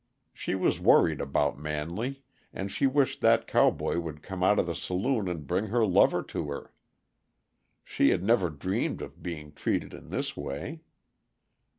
She was worried about Manley, and she wished that cowboy would come out of the saloon and bring her lover to her. She had never dreamed of being treated in this way.